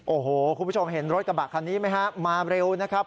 โอ้โหคุณผู้ชมเห็นรถกระบะคันนี้ไหมฮะมาเร็วนะครับ